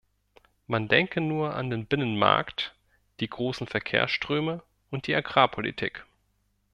Man denke nur an den Binnenmarkt, die großen Verkehrsströme und die Agrarpolitik.